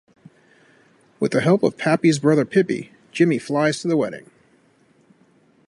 With the help of Pappy's brother Pippy, Jimmy flies to the wedding.